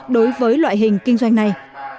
đối với loại hình kinh doanh này